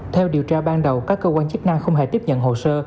theo điều tra ban đầu các cơ quan chức năng không hề tiếp nhận hồ sơ